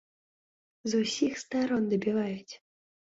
З усіх старон дабіваюць!